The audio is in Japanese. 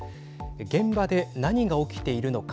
現場で何が起きているのか。